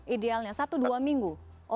idealnya satu dua minggu